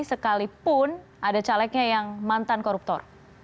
sekalipun ada calegnya yang mantan koruptor